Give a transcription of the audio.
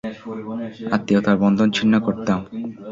আত্মীয়তার বন্ধন ছিন্ন করতাম।